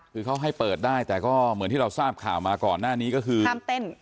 คือเขาให้เปิดได้แต่ก็เหมือนที่เราทราบข่าวมาก่อนหน้านี้ก็คือห้ามเต้น